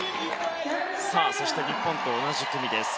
そして日本と同じ組です